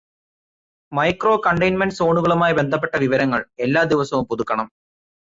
Micro containment സോണുകളുമായി ബന്ധപ്പെട്ട വിവരങ്ങള് എല്ലാ ദിവസവും പുതുക്കണം.